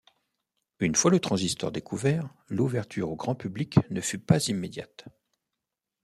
Une fois le transistor découvert, l'ouverture au grand public ne fut pas immédiate.